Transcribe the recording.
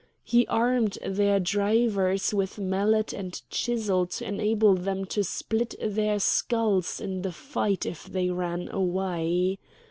He armed their drivers with mallet and chisel to enable them to split their skulls in the fight if they ran away.